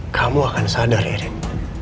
kamu akan sadar erik